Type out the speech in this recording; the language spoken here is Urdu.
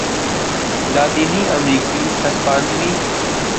لاطینی امریکی ہسپانوی